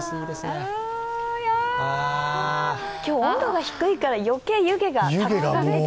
今日、温度が低いから余計、湯気が立ってます。